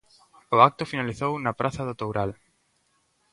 O acto finalizou na Praza do Toural.